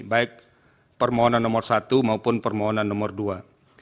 baik permohonan nomor satu maupun permohonan nomor dua